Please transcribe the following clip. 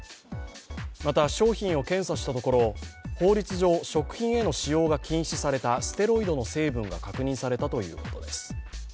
また、商品を検査したところ法律上、食品への使用が禁止されたステロイドの成分が確認されたということです。